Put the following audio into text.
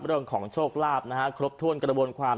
เรื่องของโชคลาภนะฮะครบถ้วนกระบวนความ